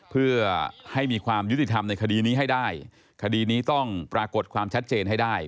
เพื่อให้มีความยุติธรรมในคดีนี้ให้ได้คดีนี้ต้องปรากฏความชัดเจนให้ได้